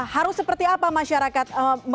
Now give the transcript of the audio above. harus seperti apa masyarakat